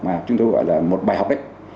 mà chúng tôi gọi là một bài học đấy